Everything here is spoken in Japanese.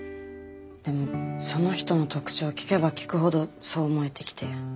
でもその人の特徴を聞けば聞くほどそう思えてきて。